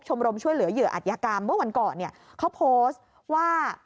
รมช่วยเหลือเหยื่ออัธยกรรมเมื่อวันก่อนเนี่ยเขาโพสต์ว่า